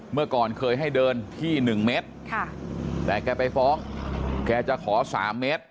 เมื่อก่อนเคยให้เดินที่๑เมตรแต่แกไปฟ้องแกจะขอ๓เมตร